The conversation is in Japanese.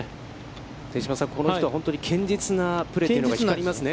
手嶋さん、この人は本当に堅実なプレーというのが光りますね。